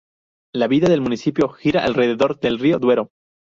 La vida del municipio gira alrededor del río Duero.